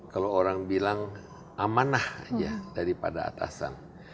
kalau orang bilang amanah ya daripada atasan